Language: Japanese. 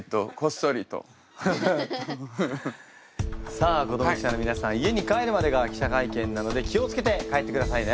さあ子ども記者の皆さん家に帰るまでが記者会見なので気を付けて帰ってくださいね。